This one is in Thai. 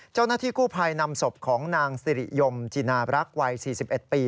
เจ้าหน้าที่กู้ภัยนำศพของนางสิริยมจินาบรักษ์วัย๔๑ปี